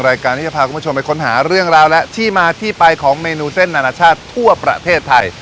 รายการที่จะพาคุณผู้ชมไปค้นหาเรื่องราวและที่มาที่ไปของเมนูเส้นนานาชาติทั่วประเทศไทย